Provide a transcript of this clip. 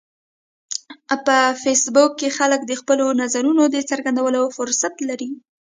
په فېسبوک کې خلک د خپلو نظرونو د څرګندولو فرصت لري